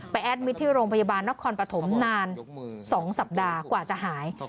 แอดมิตรที่โรงพยาบาลนครปฐมนาน๒สัปดาห์กว่าจะหาย